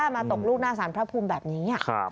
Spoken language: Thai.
มาตกลูกหน้าสารพระภูมิแบบนี้